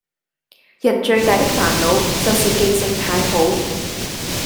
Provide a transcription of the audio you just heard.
人最大的煩惱就是記性太好